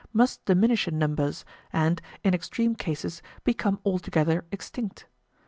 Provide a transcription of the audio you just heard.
must diminish in numbers, and, in extreme cases, become altogether extinct.